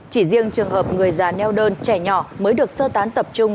chỉ riêng trường hợp người già neo đơn trẻ nhỏ mới được sơ tán tập trung